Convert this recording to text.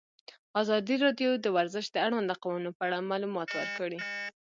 ازادي راډیو د ورزش د اړونده قوانینو په اړه معلومات ورکړي.